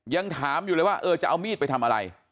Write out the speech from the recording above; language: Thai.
ยังถามอยู่เลยว่าเออจะเอามีดไปทำอะไร